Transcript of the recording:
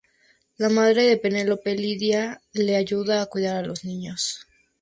La madre de Penelope, Lydia, le ayuda a cuidar de los niños.